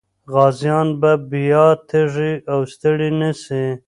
غازيان به بیا تږي او ستړي نه سي.